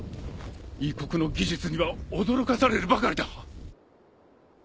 異国の技術には驚かされるばかりだ。